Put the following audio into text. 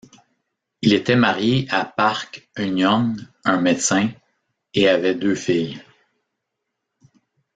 Il était marié à Park Eun-gyong, un médecin, et avait deux filles.